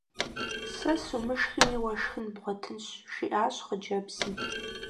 Сэ сумышхми уэ шхын бгъуэтынщ! – жиӀащ хъыджэбзым.